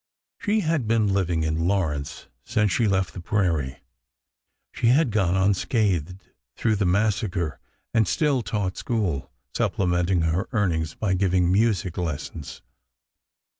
She had been living in Lawrence since she left the prairie; she had gone unscathed through the massacre and still taught school, supplementing her earnings by giving music lessons.